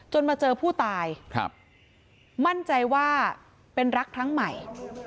มาเจอผู้ตายมั่นใจว่าเป็นรักครั้งใหม่